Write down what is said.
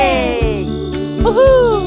peter pan terima kasih